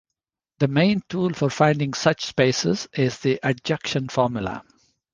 The main tool for finding such spaces is the adjunction formula.